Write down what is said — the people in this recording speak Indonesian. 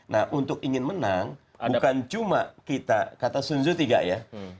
nah untuk ingin menang bukan cuma kita kata sun zul tiga ya